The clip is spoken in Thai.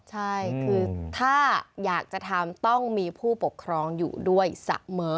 ใช่คือถ้าอยากจะทำต้องมีผู้ปกครองอยู่ด้วยเสมอ